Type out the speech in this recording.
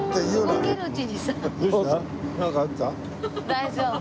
大丈夫。